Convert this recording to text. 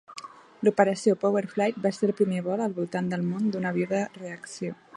L'Operació Power-Flite va ser el primer vol al voltant del món d'un avió de reacció.